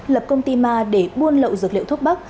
lập công ty ma để buôn lậu dược liệu thuốc bắc